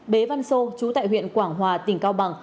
bế văn sô chú tại huyện quảng hòa tỉnh cao bằng